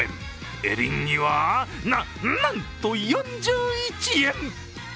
エリンギは、なんと４１円。